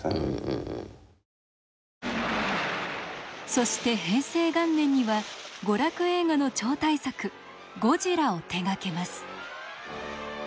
そして平成元年には娯楽映画の超大作「ゴジラ」を手がけます。